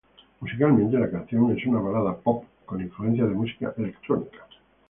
Musicalmente, la canción es una balada pop con influencias de música electrónica.